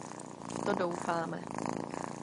V to doufáme.